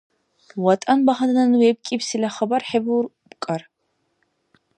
ВатӀан багьандан вебкӀибсила хабар хӀебубкӀар